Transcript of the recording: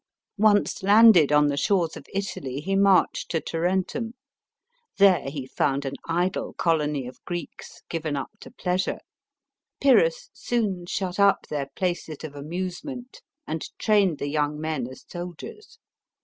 Once landed on the shores of Italy, he marched to Tarentum. There he found an idle colony of Greeks, given up to pleasure. Pyrrhus soon shut up their places of amusement and trained the young men as soldiers.